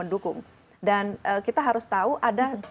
dan kita harus tahu ada